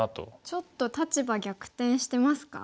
ちょっと立場逆転してますか？